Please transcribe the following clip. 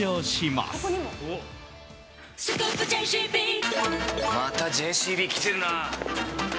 またＪＣＢきてるな。